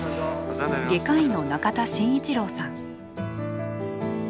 外科医の仲田真一郎さん。